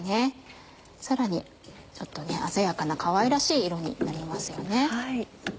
さらにちょっと鮮やかなかわいらしい色になりますよね。